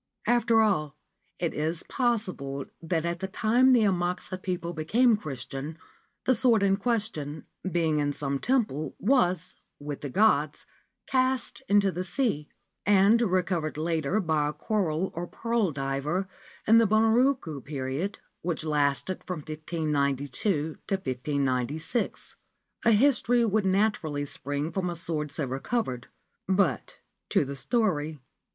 After all, it is possible that at the time the Amakusa people became Christian the sword in question, being in some temple, was with the gods cast into the sea, and recovered later by a coral or pearl diver in the Bunroku period, which lasted from 1592 to 1596. A history would naturally spring from a sword so recovered. But to the story.